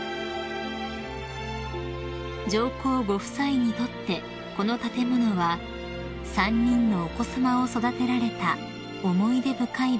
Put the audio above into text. ［上皇ご夫妻にとってこの建物は３人のお子さまを育てられた思い出深い場所です］